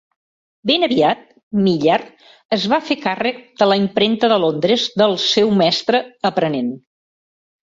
Ben aviat, Millar es va fer càrrec de la impremta de Londres del seu mestre aprenent.